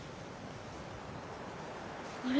あれ？